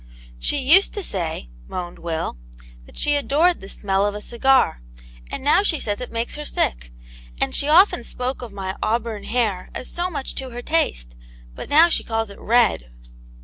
She used to say, moaned Will, " that she adored the smell of a cigar, and now she says it makes her sick. And she often spoke of my auburn hair as so much to her taste, but now she calls it red."